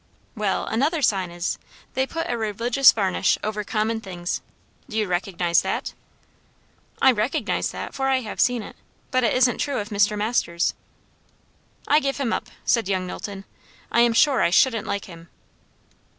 "Well, another sign is, they put a religious varnish over common things. Do you recognise that?" "I recognise that, for I have seen it; but it isn't true of Mr. Masters." "I give him up," said young Knowlton. "I am sure I shouldn't like him."